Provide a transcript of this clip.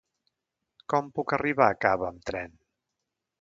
Com puc arribar a Cava amb tren?